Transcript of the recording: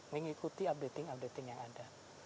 mengikuti updating updating yang ada